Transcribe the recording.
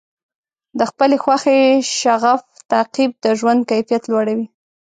د خپلې خوښې شغف تعقیب د ژوند کیفیت لوړوي.